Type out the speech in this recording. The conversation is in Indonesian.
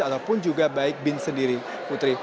ataupun juga baik bin sendiri putri